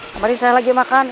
kemarin saya lagi makan